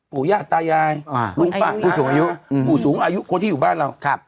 ผู้ยาตายายผู้สูงอายุผู้ที่อยู่บ้านเรา